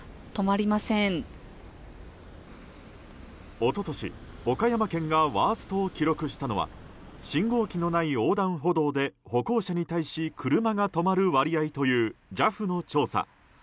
一昨年、岡山県がワーストを記録したのは信号機のない横断歩道で歩行者に対し車が止まる割合というＪＡＦの調査。